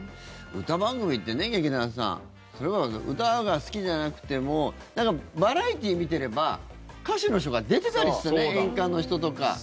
歌番組ってね、劇団さんそれは歌が好きじゃなくてもバラエティー見てれば歌手の人が出てたりしたね演歌の人とか。